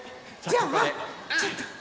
じゃあちょっと。